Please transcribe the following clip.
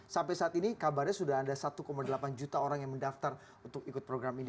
sampai saat ini kabarnya sudah ada satu delapan juta orang yang mendaftar untuk ikut program ini